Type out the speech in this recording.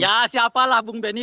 ya siapalah pak beni